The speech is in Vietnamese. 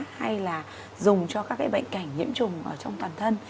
hay là dùng cho các cái bệnh cảnh nhiễm trùng ở trong toàn thân